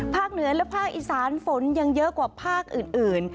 เหนือและภาคอีสานฝนยังเยอะกว่าภาคอื่น